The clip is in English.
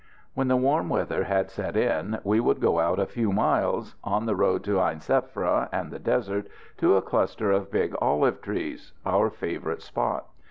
When the warm weather had set in we would go out a few miles, on the road to Ain Sefra and the desert, to a cluster of big olive trees our favourite spot.